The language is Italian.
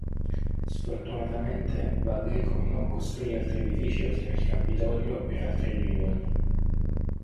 Sfortunatamente, Vallejo non costruì altri edifici oltre al campidoglio per altre riunioni.